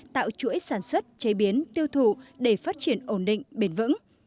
tạo chuỗi sản xuất chế biến tiêu thụ để phát triển ổn định bền vững